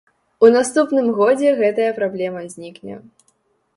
У наступным годзе гэтая праблема знікне.